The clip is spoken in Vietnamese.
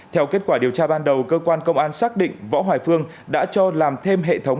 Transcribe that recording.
theo kết quả điều tra ban đầu cơ quan công an xác định võ hoài phương đã cho làm thêm hệ thống